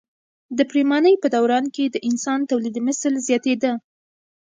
د پریمانۍ په دوران کې د انسان تولیدمثل زیاتېده.